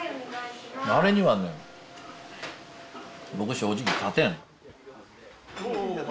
あれにはね僕正直勝てん。